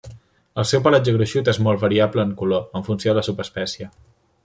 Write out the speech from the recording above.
El seu pelatge gruixut és molt variable en color, en funció de la subespècie.